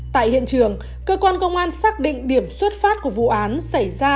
tại hiện trường cơ quan công an xác định điểm xuất phát của vụ án xảy ra